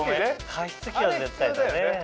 加湿器は絶対だね。